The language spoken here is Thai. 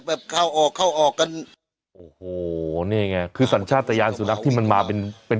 แบบเข้าออกเข้าออกกันโอ้โหเนี้ยไงคือสัญชาตญาณสุนัขที่มันมาเป็น